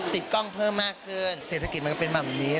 ติดกล้องเพิ่มมากขึ้นเศรษฐกิจมันก็เป็นแบบนี้